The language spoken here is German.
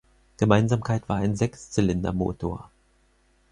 Gemeinsamkeit war ein Sechszylindermotor.